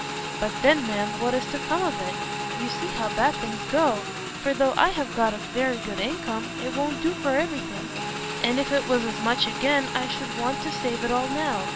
But then, ma'am, what is to come of it? You see how bad things go! for though I have got a very good income, it won't do for every thing. And if it was as much again, I should want to save it all now.